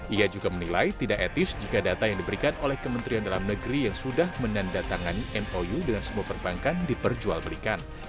ia juga menilai tidak etis jika data yang diberikan oleh kementerian dalam negeri yang sudah menandatangani mou dengan semua perbankan diperjualbelikan